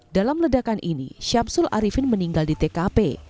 dalam ledakan ini syafsul arifin meninggal di tkp